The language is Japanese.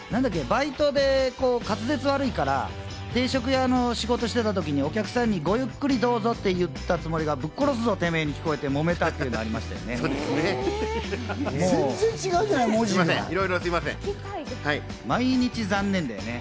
バイトで滑舌悪いから、定食屋の仕事をしてた時にお客さんに「ごゆっくりどうぞ」って言ったつもりが、「ぶっ殺すぞ、てめぇ」に聞こえてもめたというのが全然違うじゃない！